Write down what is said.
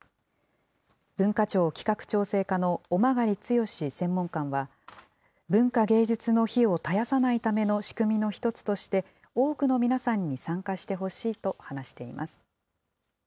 文化庁企画調整課の尾曲剛志専門官は、文化芸術の灯を絶やさないための仕組みの一つとして、多くの皆さんに参加してほしいと話しています。